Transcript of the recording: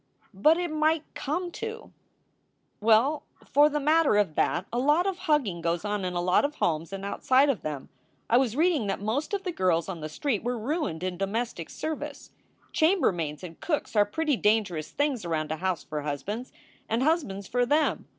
"But it might come to " "Well, for the matter of that, a lot of hugging goes on in a lot of homes and outside of them. I was reading that most of the girls on the street were ruined in domestic service. Chambermaids and cooks are pretty dangerous things around a house for husbands, and husbands for them.